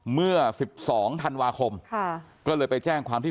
เมื่อสิบสองธันวาคมค่ะก็เลยไปแจ้งความที่